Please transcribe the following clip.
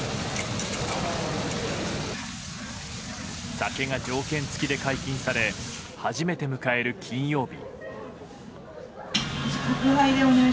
酒が条件付きで解禁され初めて迎える金曜日。